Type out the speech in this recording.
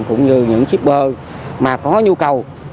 cũng như những shipper mà có nhu cầu